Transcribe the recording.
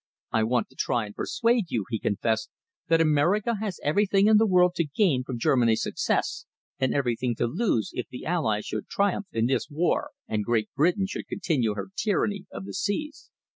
"I want to try and persuade you," he confessed, "that America has everything in the world to gain from Germany's success, and everything to lose if the Allies should triumph in this war and Great Britain should continue her tyranny of the seas."